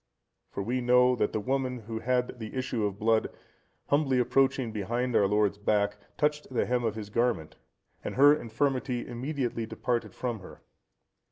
For we know, that the woman who had the issue of blood, humbly approaching behind our Lord's back, touched the hem of his garment, and her infirmity immediately departed from her.